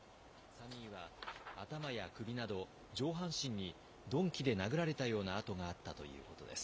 ３人は頭や首など、上半身に鈍器で殴られたような痕があったということです。